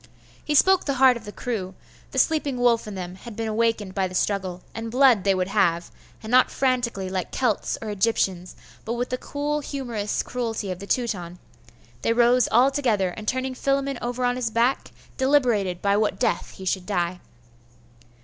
He spoke the heart of the crew; the sleeping wolf in them had been awakened by the struggle, and blood they would have; and not frantically, like Celts or Egyptians, but with the cool humorous cruelty of the Teuton, they rose altogether, and turning Philammon over on his back, deliberated by what death he should die.